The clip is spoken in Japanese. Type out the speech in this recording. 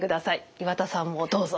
岩田さんもどうぞ。